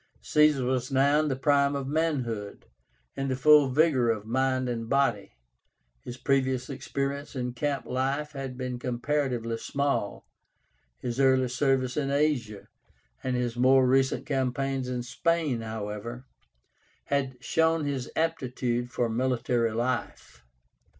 Caesar was now in the prime of manhood, in the full vigor of mind and body. His previous experience in camp life had been comparatively small. His early service in Asia, and his more recent campaigns in Spain, however, had shown his aptitude for military life.